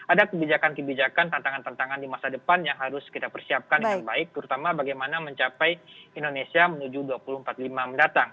ada kebijakan kebijakan tantangan tantangan di masa depan yang harus kita persiapkan dengan baik terutama bagaimana mencapai indonesia menuju dua ribu empat puluh lima mendatang